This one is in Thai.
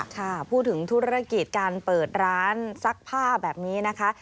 ค่ะพูดถึงธุรกิจการเปิดร้านซักผ้าแบบนี้นะคะ